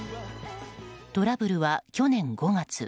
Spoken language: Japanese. トラブルは去年５月。